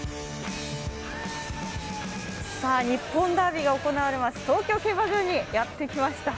日本ダービーが行われる東京競馬場にやってきました。